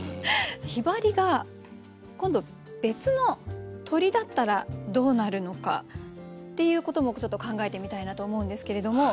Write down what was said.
「雲雀」が今度別の鳥だったらどうなるのかっていうこともちょっと考えてみたいなと思うんですけれども。